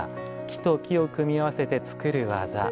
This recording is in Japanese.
「木と木を組み合わせて作る技」。